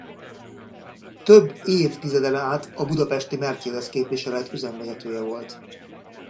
Több évtizeden át a budapesti Mercedes-képviselet üzemvezetője volt.